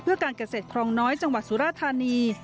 เพื่อการเกษตรครองน้อยจังหวัดสุราธานี